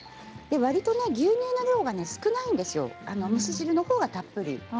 わりと牛乳の量が少ないんですよ、蒸し汁のほうがたっぷり。